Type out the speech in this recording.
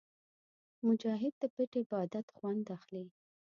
مجاهد د پټ عبادت خوند اخلي.